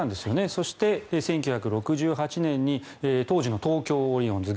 そして、１９６８年に当時の東京オリオンズ